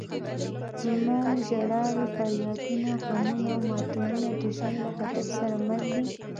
زموږ ژړاوې، فریادونه، غمونه او ماتمونه د ژوند له هدف سره مل دي.